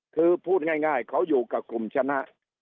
คือพูดง่ายเขาอยู่กับกลุ่มชนะ